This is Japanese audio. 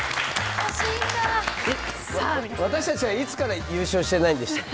私たちはいつから優勝していないんでしたっけ？